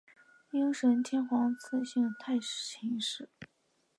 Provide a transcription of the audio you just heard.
应神天皇赐姓太秦氏。